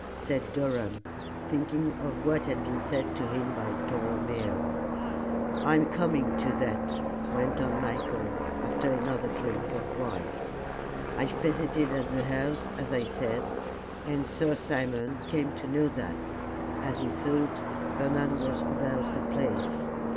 said Durham, thinking of what had been said to him by Tolomeo. "I am coming to that," went on Michael, after another drink of wine. "I visited at the house as I said, and Sir Simon came to know that as he thought Bernard was about the place.